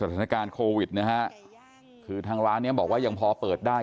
สถานการณ์โควิดนะฮะคือทางร้านเนี้ยบอกว่ายังพอเปิดได้